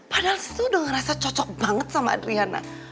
padahal saya tuh udah ngerasa cocok banget sama adriana